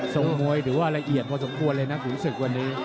มวยถือว่าละเอียดพอสมควรเลยนะขุนศึกวันนี้